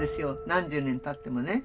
何十年たってもね。